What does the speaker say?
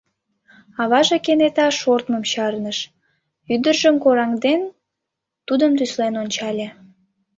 Аваже кенета шортмым чарныш, ӱдыржым кораҥден, тудым тӱслен ончале.